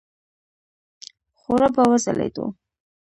خورا به وځلېدو.